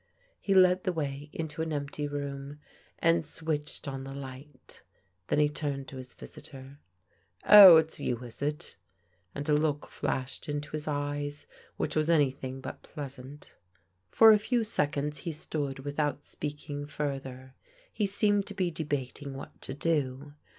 He led the way into an empty room, and switched on the light. Then he turned to his visitor. " Oh, it's you, is it?" and a look flashed into his eyes which was anything but pleasant. For a few seconds he stood without speaking further. He seemed to be debating what to do.